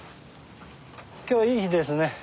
今日はいい日ですね。